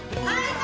はい